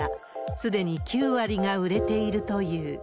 すでに９割が売れているという。